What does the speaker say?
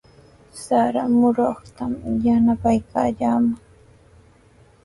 Sara muruytraw yanapaykallamay.